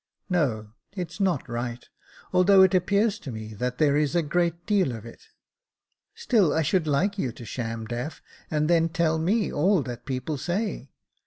*' No, it's not right ; although it appears to me that there is a great deal of it. Still I should like you to sham deaf, and then tell me all that people say.